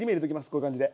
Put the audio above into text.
こういう感じで。